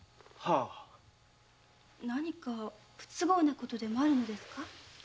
何か不都合なことでもあるのですか？